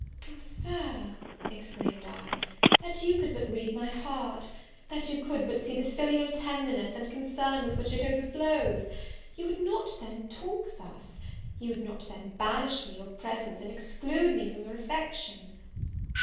"Oh, Sir," exclaimed I, "that you could but read my heart! that you could but see the filial tenderness and concern with which it overflows! you would not then talk thus, you would not then banish me your presence, and exclude me from your affection!"